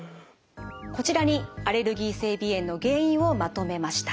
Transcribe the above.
こちらにアレルギー性鼻炎の原因をまとめました。